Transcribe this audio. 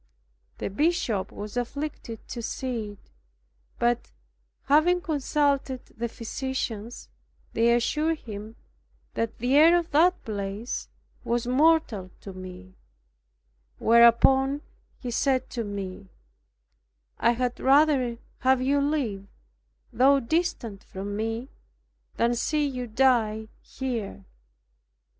The Bishop was afflicted to see it, but, having consulted the physicians, they assured him that the air of the place was mortal to me, whereupon he said to me, "I had rather have you live, though distant from me, than see you die here."